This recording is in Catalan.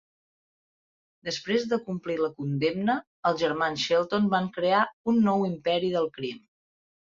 Després de complir la condemna, els germans Shelton van crear un nou imperi del crim.